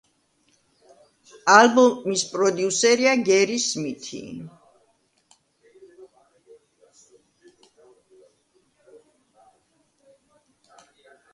ალბომის პროდიუსერია გერი სმითი.